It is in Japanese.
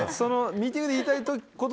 ミーティングで言いたいこと